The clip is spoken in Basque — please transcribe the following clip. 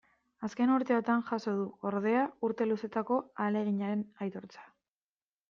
Azken urteotan jaso du, ordea, urte luzetako ahaleginaren aitortza.